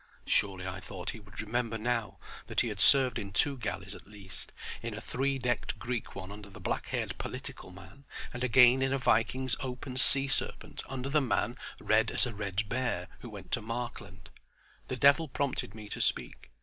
Surely, I thought he would remember now that he had served in two galleys at least—in a three decked Greek one under the black haired "political man," and again in a Viking's open sea serpent under the man "red as a red bear" who went to Markland. The devil prompted me to speak.